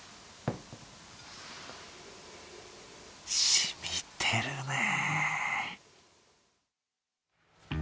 染みてるねぇ。